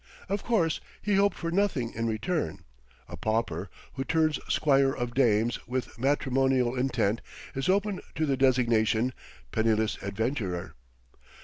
Of course he hoped for nothing in return; a pauper who turns squire of dames with matrimonial intent is open to the designation, "penniless adventurer."